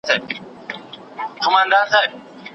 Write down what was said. سره له هغه چي خپل شعرونه